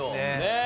ねえ。